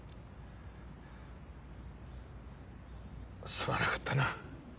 すまなかったな。